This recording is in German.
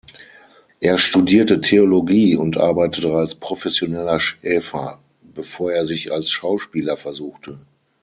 Er studierte Theologie und arbeitete als professioneller Schäfer, bevor er sich als Schauspieler versuchte.